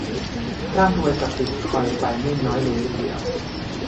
ร่ำรวยกับบิตคอยน์ไปไม่น้อยเลยทีเดียว